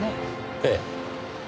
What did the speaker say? ええ。